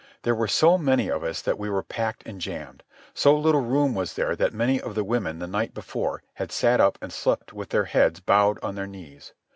There were so many of us that we were packed and jammed. So little room was there that many of the women the night before had sat up and slept with their heads bowed on their knees.